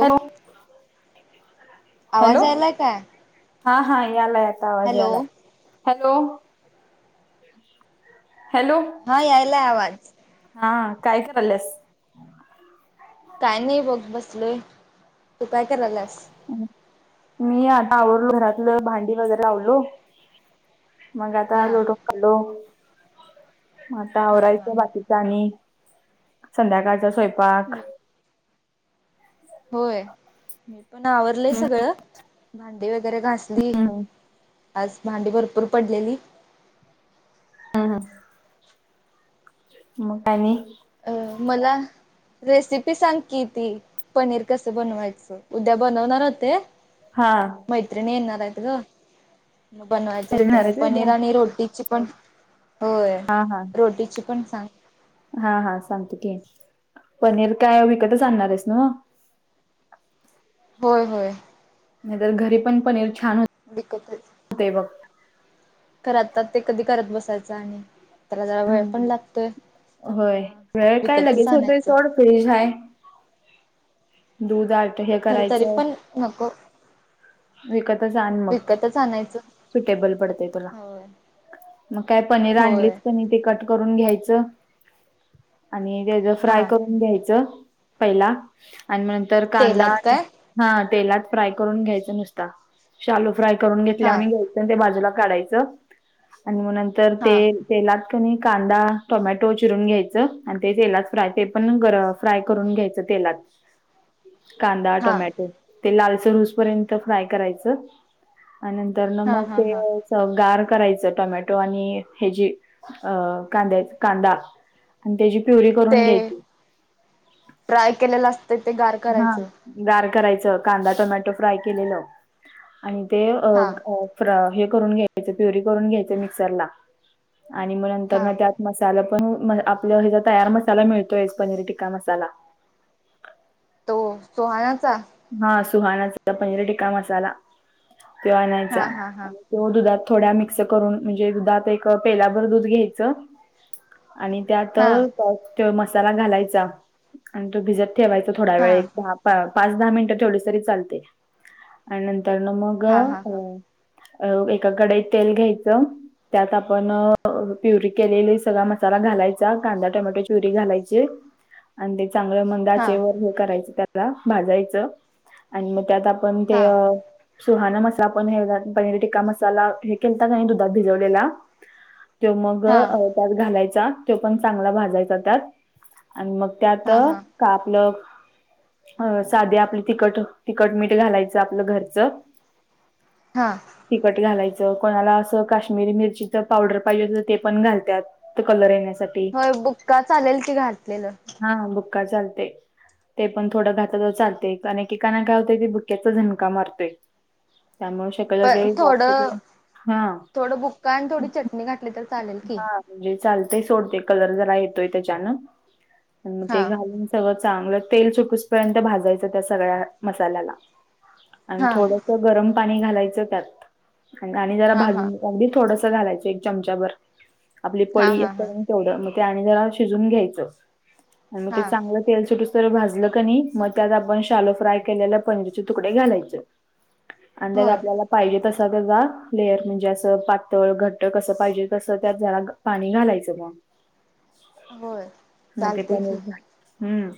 Hello. Hello आवाज यायलाय काय? हा हा यालाय आता आवाज हॅलो यालाय. Hello hello. हां यायलाय आवाज. हा काय करायलीयास. काय नाही बघ बसलोय. तू करायलीयास? मी आता आवरलो घरातलं भांडी वगैरे लावलो. मग आता हा लोटून काढलो म आता हा हा आवरायचं हा बाकी. आणि संध्याकाळचा स्वयंपाक. मी होय मी पण आवरलंय सगळं. भांडी वगैरे घासली हम्म आज भांडी भरपूर पडलेली. हं ह मग काय आणि अं मला. रेसिपी सांग कि ती पनीर कसं बनवायचं? उद्या बनवणार होते. हां. मैत्रिणी येणार आहेत गं म बनवायचं होतं घेणार मग आहेस व्हय उद्या पनीर आणि रोटी ची पण होय हा हा रोटीची पण सांग. हा हा सांगतो की. पनीर काय विकतच आणणार आहेस नव्ह होय होय. नाहीतर घरी पण पनीर छान हो विकतच. ते बघ. कर आता, ते कधी करत बसायचं आम्ही? त्याला जरा वेळ पण हम्म लागतोय, होय त्यामुळं वेळ काय विकतच लगेच होतोय आणायचं. सोड फ्रीज आहे, दूध आट हे खर तरी करायचंय पण नको विकतच आण मग, विकतच आणायचं सुटेबल पडतेय तुला. होय मग काय पनीर आणलीच होय ते कट करून घ्यायचं, आणि त्याच फ्राय हा करून घ्यायचं. पहिला, आणि नंतर कांदा तेलात काय हा तेलात फ्राय करून घ्यायचं नुसता, शालू फ्राय करून घेतल्या हा वणी घ्यायचा. ते बाजूला काढायचं, आणि मग नंतर हा ते तेलात कणी कांदा टोमॅटो चिरून घ्यायचं आणि ते तेलात फ्राय ते पण गर [unintelligible] फ्राय करून घ्यायचं तेलात. कांदा, हा टोमॅटो ते लालच रूस पर्यंत फ्राय करायचं. आणि नंतर न हा मग हा ते हा गार करायचं टोमॅटो आणि हची अ कांद्या कांदा आणि त्याची प्युरी ते करून घ्यायची. फ्राय केलेलं असत ते गार हा करायचं. गार करायचं कांदा टोमॅटो फ्राय केलेलं आणि ते अ हा फ हे करून घ्यायचं प्युरी करून घ्यायचं मिक्सरला आणि मग नंतर हा मग त्यात मसाला पण आपल्या ह्याचा तयार मसाला मिळतोयच पनीरी टिक्का मसाला. तो सोहानाचा. हा सुहानाचा पनीर टिकका मसाला तेव आणायचा. हा हा हा तो दुधात थोडा मिक्स करून म्हणजे दुधात एक पेल्याभर दूध घ्यायचं. आणि त्यात, हा त्यात तो मसाला घालायचा आणि तो भिजत ठेवायच थोडा हा वेळ हा दहा पाच दहा मिनिटं ठेवलीस तरी चालते आणि नंतर न मग हा हा ग अ एका कडाईत तेल घ्यायचं. त्यात आपण प्युरी केलेली सगळा मसाला घालायचा कांदा टमॅटो प्युरी घालायची. आणि ते चांगलं मग हा दाचेवर हे करायचं भाजायचं आणि मग त्यात आपण हा ते सुहाणा मसा पण हे पनीर टिक्का मसाला हे केलता का नाही दुधात भिजवलेला त मग हा त्यात घालायचा तो पण चांगला भाजायचा त्यात. आणि मग त्यात हा हा का आपलं साधे आपली तिखट, तिखट मीठ घालायचं आपलं घरचं. हा. तीखट घालायचं कोणाला असं काश्मीरी मिरचीच पावडर पाहिजे ते पण घालतात. ते कलर येण्यासाठी होय बुक्का चालेल ते घातलेलं? हा बुक्का चालते. ते पण थोडा घात चालतय पनीर टिक्कान काय होत बुक्याचा झणका मारतोय त्यामुळे पण थोडं शक्यता [inaudible] हा थोडं बुक्का आणि थोडी चटणी घातली तर चालेल की हा. म्हणजे चालतेय सोडते कलर जरा येतोय त्याच्यान मग हा ते घालून सगळ चांगलं तेल सुकसपर्यंत भाजायचं त्या सगळ्या मसाल्याला आणि हा थोड गरम पाणी घालायच त्यात आणि जरा हा हा भाजून अगदी थोडसं घालायचं एक चमचा भर, आपली हा पळी. हा हा [unintelligible] तेवढ मग ते आणि जरा शिजून घ्यायचं मग ते हा चांगलं तेल सुटू तर भाजल कनी मग त्यात आपण शालो फ्राय केलेल पनीरचे तुकडे घालायचे आणि त्यात होय आपल्याला पाहिजे तसा त्याचा लेयर म्हणजे, असं पातळ घट्ट कसं पाहिजे तसं त्यात जरा पाणी घालायचं मग. होय मग ते चालते की पनीर हम्म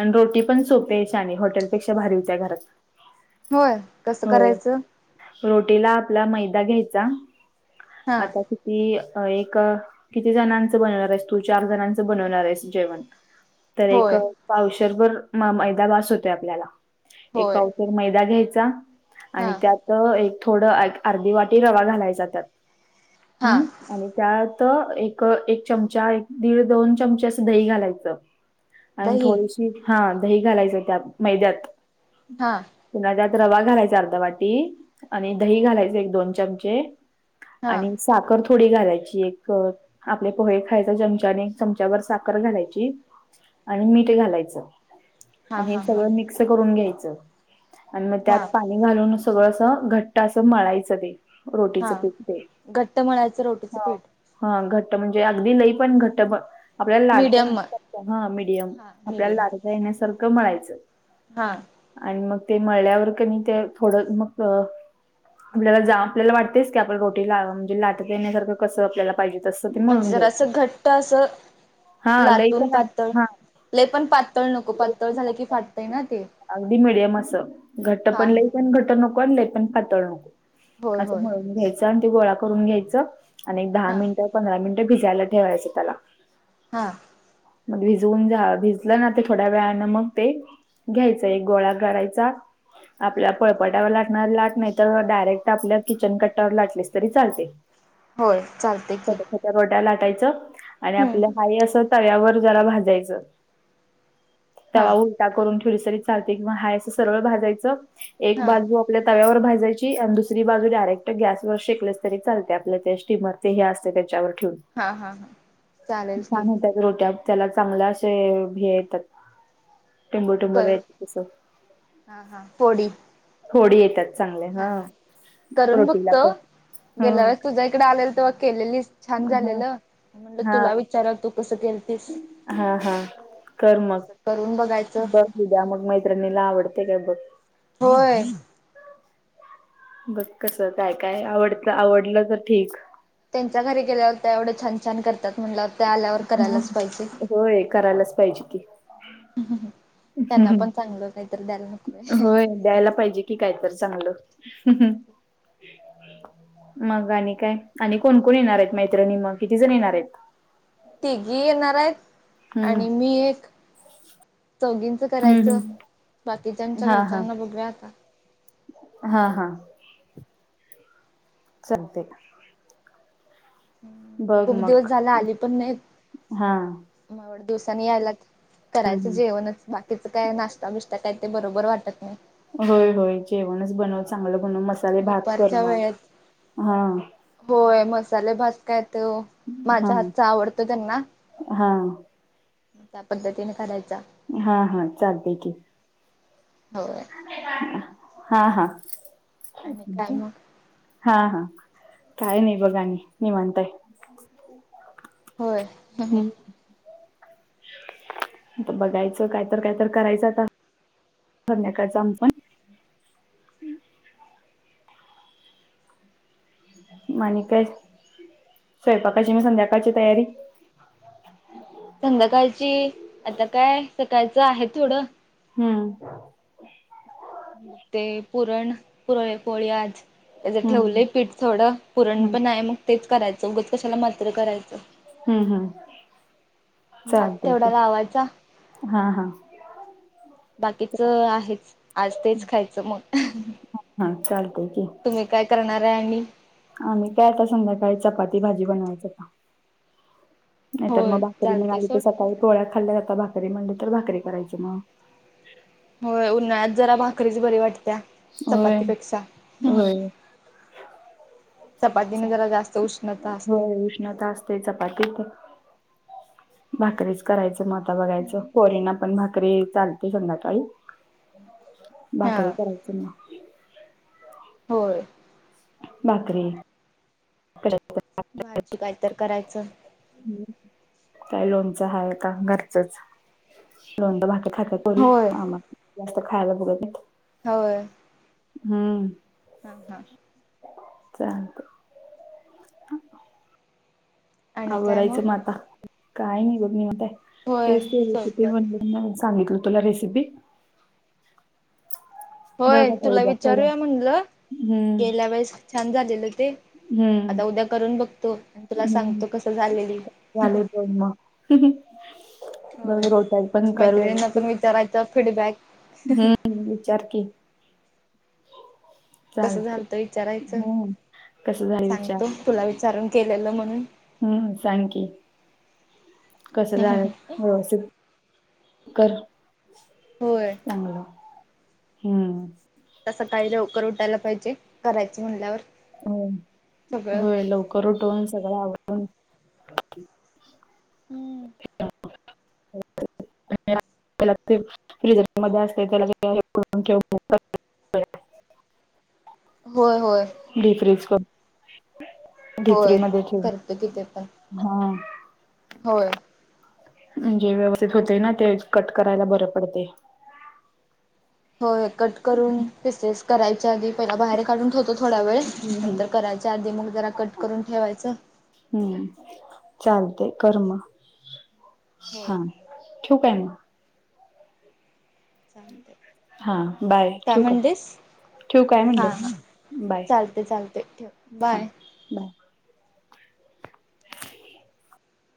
आणि रोटी पण सोपे आहे, छान आहे, हॉटेलपेक्षा भारी होत्या घरात. होय कसं होय करायचं? रोटीला आपला मैदा घ्यायचा हा आता किती एक किती जणांचं बनवणार आहेस, तू चार जणांचं बनवणार आहेस जेवण. तर एक होय पावशरभर मैदा बास होतोय आपल्याला, एक होय पावस एक मैदा घ्यायचा हा आणि त्यात तर एक थोडं अर्धी वाटी रवा घालायचा त्यात. हा हम्म? आणि त्यात एक, एक चमचा एक दीड, दोन चमचे असं दही घालायचं. आणि दही थोडीशी हा दही घालायचं त्यात मैद्यात. हा. पुन्हा त्यात रवा घालायचा अर्धा वाटी आणि दही घालायच एक दोन चमचे हा आणि साखर थोडी घालायची एक आपले पोहे खायच चमच्याने चमचाभर साखर घालायची आणि मीठ घालायचं. हा हे हा हा सगळं मिक्स करून घ्यायचं आणि त्यात हा पा णी घालून सगळं अस घट्ट असं मळायचं ते. रोटीच हा पिठ ते. घट्ट मळायचं रोटीचं हा. पीठ हा, घट्ट म्हणजे अगदी लई पण घट्ट आपल्याला लाटता मीडियम मळ येण्यासारखं हा मीडियम हा आपल्याला मीडियम लाटता येण्यासारखं मळायच. हा. आणि मग ते मळल्यावर कणी ते थोडं मग आपल्याला जा आपल्याला वाटतेच की, आपण रोटी ला म्हणजे लाटतय येण्यासारखं कसं आपल्याला पाहिजे तसं ते म्हणजे मळून घ्यायचं. जरासं घट्ट असं हा लई लाटून पण पातळ हा लय पण पातळ नको, लई पातळ पण झालं की पातळ फाटतय ना ते. अगदी मिडियम असं घट्ट हा पण लई पण घट्ट नको आणि लई पण पातळ नको. होय असं होय मळून घ्यायच आणि ते गोळा करून घ्यायच आणि दहा हा मिनिट पंधरा मिनिट भिजायला ठेवायचं त्याला. हा. मग भिजवून जा भिजलं ना, ते थोड्या वेळने मग ते घ्यायचा एक गोळा करायचा आपल्या पळपटावर लाटणार लाट नाही तर, डायरेक्ट आपल्या किचन कट्टयावर लाटलीस तरी चालतय. [inaudible] होय चालतंय की. त्या रोट्या लाटायचं आणि हम्म आपल्या हाय अस तव्यावर जरा भाजायचं. हा तवा उलटा करून [unintelligible] चालते किंवा हा असं सरळ भाजायचं एक हा बाजू आपल्या तव्यावर भाजायची आणि दुसरी बाजू डायरेक्ट गॅसवर शेकलेस तरी चालत्या, आपल्या त्या स्टीमर ते हे असते त्याच्यावर ठेवून हा हा हा चालेल की छान होत्यात रोट्या त्याला चांगले असे हे येत्यात टिंबू टूंबाला कर य तस हा हा फोडी थोडी येतात. चांगले हा करून रोटीला बघतो पण हा. गेल्या वेळेस तुझ्या इकडे आलेले तवा केलेलीस, छान झालेलं म म्हणलं हा तुला विचाराव तू कस केल तीस हा हा कर मग तस करून बघाय बघ उद्या मग मैत्रिणीला आवडतयं काय बघ? होय. बघ कसं काय काय आवडत आवडलं तर ठीक. त्यांच्या घरी गेल्यावर त्या एवढं छान छान करतात, म्हंटल्यावर त्या आल्यावर. ह करायलाच पाहिजे [unintelligible] होय करायलाच पाहिजे की त्यांना पण चांगलं काय तर द्यायला नको काय होय [unintelligible] द्यायला पाहिजे कि कायतर चांगलं. मग आणि काय आणि कोणकोण येणारयंत मैत्रिणी मग किती जण येणारयंत? तिघी येणारायंत हम्म आणि मी एक चौघींच हम्म करायचं हम्म बाकीच्यांच्या हा घरच्यांना बघूया आता. हां हां. चलतयं बघ खूप दिवस मग झालं आली पण नाय हा मग एवढ्या दिवसाांनी यायलात करायचं हम्म जेवणच बा कीच काय नाष्ता बिष्ता काय बरोबर वाटत नाय. होय होय जेवणचं बनव चांगलं बनव मसाले भात कर दुपारच्या मग हां. होंय मसाले भात काय त्यो हा माझं हातचं आवडतं त्यांना हा त्या पद्धतीने करायचा. हां हां चालतयं की होंय. [inaudible] हां हां. आणि काय [inaudible] मग हां हां काय नाय बघ आणि निवांतयं होंय [unintelligible] आता बघायचं कायतर कायतर करायचं आता संध्याकाळच आम्ही पण मी आणि काय? स्वयैपाकाची मग संध्याकाळची तयारी? संध्याकाळची आता काय सकाळचं आहे थोडं हुं. ते पुरण पुरळ पोळी आज त्याजं हम्म ठेवलयं पीठ थोडं पुरण हम्म पण हाय मग तेच करायचं उगच कशाला मात्र करायचं. हुं हुं. भातं तेवढा लावायाचा हा हा बाकीच आहेच आज तेच खायचं मग [unintelligible] हां चालतंय की. तुम्ही काय करणारयं आणि? आम्ही काय आता संध्याकाळी चपाती भाजी बनवायचं काम नाहीतर मग होय भाकरी चालते मिळाली तर सोड सकाळी पोळ्या खाल्ल्या आता भाकरी म्हणली तर भाकरी करायची मगं होंय उन्हाळ्यात जरा भाकरीच बरी वाटण्या. होय चपातीपेक्षा हं होय चपातीने चा- जरा जास्त उष्णता असं होय उष्णता असं ते चपाती खूप भाकरीचं करायचं मं आता बघायचं पोरीना पण भाकरी चालती संध्याकाळी हा भाकरी करायचं म्हणा होंय. भाकरी. भाजी कायतर करायचं. हम्म, काय लोनचं हायं आता घरचचं. लोनचं भाकरी खातात पोरी, होय मामा जास्त खायला बघत नाहीत. होयं. हम्म. हा हा. चालतयं. [inaudible] आणि काय मग आवरायचं म आतां. काय नाही बघ, निवांत हायं. होय तेच ते ते सोबत म्हटलं म्हणून सांगितली तुला रेसिपी बघ होय, आता तुला उद्या करून विचारूया म्हटलं, हम्म, गेल्या वेळेस छान झालेल ते. हम्म, आता उद्या करून बघतो आणि तुला हं. सांगतो कसं झालेली. [unintelligible] होय, बघ रोट्या पण कर मैत्रिणींना व्यवस्थित. पण विचारायचा फीडबॅक. हम्म, विचार की. कसं चालतेयं, झालतं विचारायचं हं. कसं झालयं विचार सांगतो तुला विचारून केलेलं म्हणून हम्म, सांग की. कसं झालं? हो तेचं कर होय चांगलंय, हम्म. आता सकाळी लवकर उठायला पाहिजे करायचं म्हणल्यावर. हो, सगळं होय. लवकर उठून, सगळं आवरून हम्म. [inaudible] [inaudible] [inaudible] होय, होय. [unintelligible] कर होय, करते की ते पण. हा. होय. म्हणजे व्यवस्थित होतय ना ते, कट करायला बरं पडतय. होय, कट करून पिसेस करायच्या आधी पहिला बाहेर काढून ठेव तो थोडा वेळ, हं, हं, नंतर करायच्या आधी मग जरा कट करून ठेवायचं हम्म, चालतय. कर मग होय हा. ठेऊ काय मग? चालतंय, हा बाय काय ठेवू म्हणलीस? ठेवू काय हां हां, म्हटलं बाय चालतंय चालतंय. ठेव हा बाय. बाय